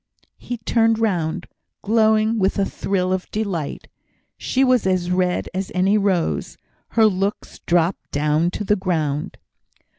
He turned round, glowing with a thrill of delight. She was as red as any rose; her looks dropped down to the ground.